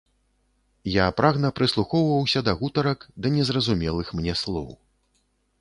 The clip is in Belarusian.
Я прагна прыслухоўваўся да гутарак, да незразумелых мне слоў.